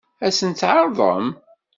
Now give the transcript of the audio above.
Ad sen-tt-tɛeṛḍem?